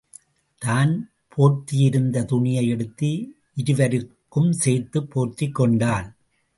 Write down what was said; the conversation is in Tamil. தான் போர்த்தியிருந்த துணியை எடுத்து இருவருக்கும் சேர்த்துப் போர்த்திக் கொண்டான்.